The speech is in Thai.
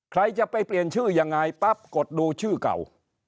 ใครจะไปเปลี่ยนชื่อยังไงปั๊บกดดูชื่อเก่า